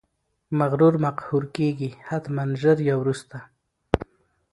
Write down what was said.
مغرور مقهور کیږي، حتمأ ژر یا وروسته!